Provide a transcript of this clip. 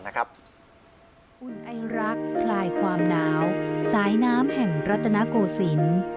อุ่นไอรักษ์คลายความหนาวสายน้ำแห่งรัฐนาโกศิลป์